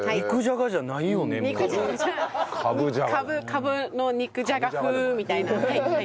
カブの肉じゃが風みたいな。